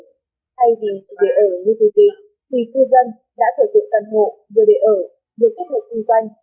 thay vì chỉ để ở như quy định thì cư dân đã sử dụng căn hộ vừa để ở vừa kết hợp kinh doanh